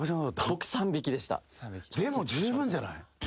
僕でも十分じゃない？